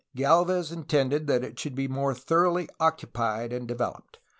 Galvez intended that it should be more thoroughly occupied and developed.